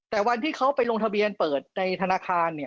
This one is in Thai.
แต่วันที่เขาไปลงทะเบียนเปิดในธนาคาร